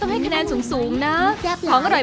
มาชิมด้วย